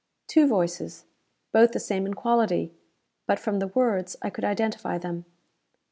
Two voices. Both the same in quality. But from the words I could identify them.